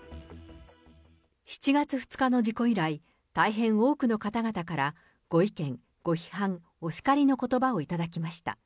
７月２日の事故以来、大変多くの方々からご意見、ご批判、お叱りのことばを頂きました。